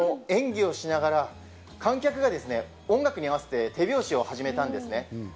演技をしながら観客がですね、音楽に合わせて手拍子を始めたんですね。